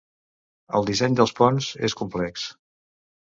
El disseny dels ponts és complex.